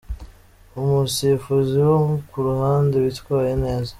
Umusifuzi wo ku ruhande witwaye neza.